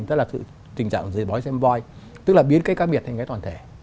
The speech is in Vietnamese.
tức là tình trạng dưới bói xem voi tức là biến cây ca miệt thành cái toàn thể